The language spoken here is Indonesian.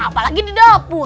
apalagi di dapur